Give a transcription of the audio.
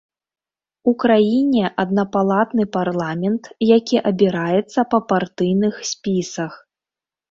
У краіне аднапалатны парламент, які абіраецца па партыйных спісах.